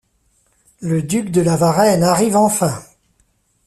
Le duc de Lavarenne arrive enfin.